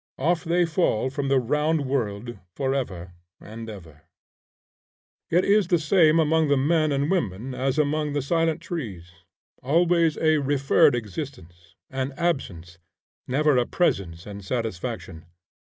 Off they fall from the round world forever and ever. It is the same among the men and women as among the silent trees; always a referred existence, an absence, never a presence and satisfaction.